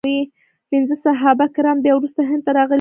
پنځه صحابه کرام بیا وروسته هند ته راغلي وو.